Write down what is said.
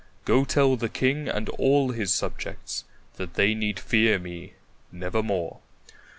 Go tell the king and all his subjects that they need fear me nevermore.